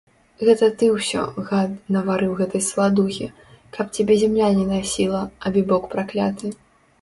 Гэта ты ўсё, гад, наварыў гэтай саладухі, каб цябе зямля не насіла, абібок пракляты!